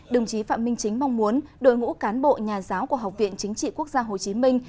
đồng chí phạm minh chính mong muốn đội ngũ cán bộ nhà giáo của học viện chính trị quốc gia hồ chí minh